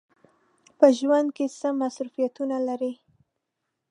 په ژوند کې څه مصروفیتونه لرئ؟